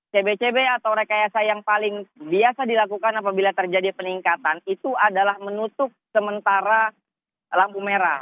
cb cb atau rekayasa yang paling biasa dilakukan apabila terjadi peningkatan itu adalah menutup sementara lampu merah